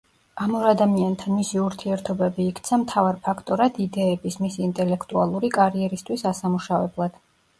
ამ ორ ადამიანთან მისი ურთიერთობები იქცა მთავარ ფაქტორად იდეების მისი ინტელექტუალური კარიერისთვის ასამუშავებლად.